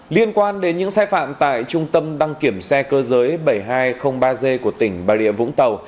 liên quan đến những sai phạm tại trung tâm đăng kiểm xe cơ giới bảy nghìn hai trăm linh ba g của tỉnh bà rịa vũng tàu